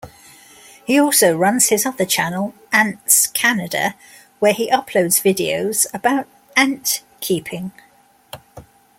He also runs his other channel, AntsCanada, where he uploads videos about antkeeping.